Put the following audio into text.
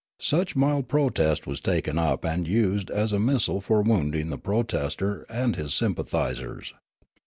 Such mild protest was taken up and used as a missile for wounding the protester and his sympathisers.